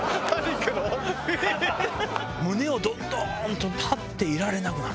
胸をどんどんと、立っていられなくなる。